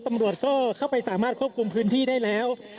ตำรวจก็เข้าไปสามารถควบคุมพื้นที่ได้แล้ว